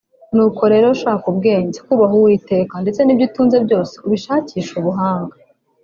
nuko rero shaka ubwenge (kubaha Uwiteka) ndetse n'ibyo utunze byose ubishakishe ubuhanga